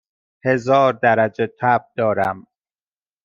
هزار درجه تب دارم